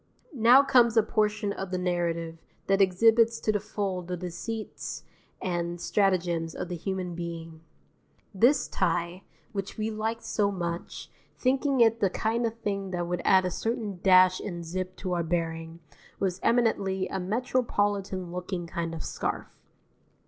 Now comes a portion of the narrative that exhibits to the full the deceits and stratagems of the human being. This tie, which we liked so much, thinking it the kind of thing that would add a certain dash and zip to our bearing, was eminently a metropolitan looking kind of scarf.